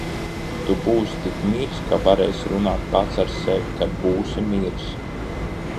Tu būsi tik miris, ka varēsi runāt pats ar sevi, kad būsi miris!